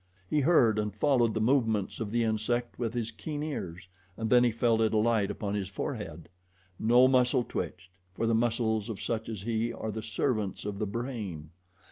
He heard and followed the movements of the insect with his keen ears, and then he felt it alight upon his forehead. No muscle twitched, for the muscles of such as he are the servants of the brain.